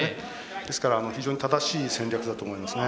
ですから非常に正しい戦略だと思いますね。